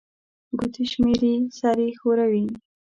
ګوتي شمېري، سر يې ښوري